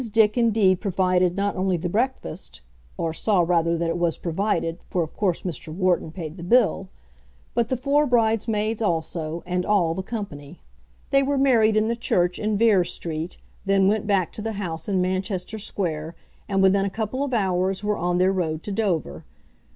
Dick indeed provided not only the breakfast, or saw rather that it was provided, for of course Mr. Wharton paid the bill, but the four bridesmaids also, and all the company. They were married in the church in Vere Street, then went back to the house in Manchester Square, and within a couple of hours were on their road to Dover.